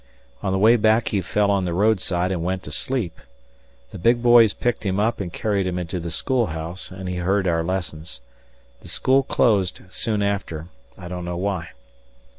On the way back he fell on the roadside and went to sleep. The big boys picked him up and carried him into the schoolhouse, and he heard our lessons. The school closed soon after; I don't know why.